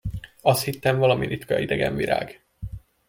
Azt hittem, valami ritka, idegen virág.